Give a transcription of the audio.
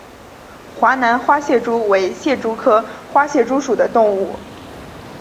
华南花蟹蛛为蟹蛛科花蟹蛛属的动物。